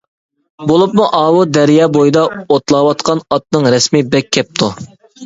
بولۇپمۇ ئاۋۇ دەريا بويىدا ئوتلاۋاتقان ئاتنىڭ رەسىمى بەك كەپتۇ.